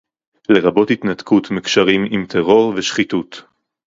לרבות התנתקות מקשרים עם טרור ושחיתות